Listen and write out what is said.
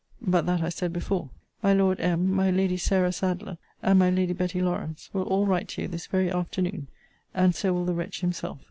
But that I said before. My Lord M. my Lady Sarah Sadleir, and my Lady Betty Lawrance, will all write to you this very afternoon. And so will the wretch himself.